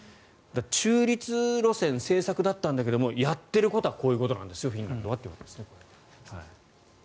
中立路線、政策だったんだけれどやっていることはこういうことですよフィンランドはということですね。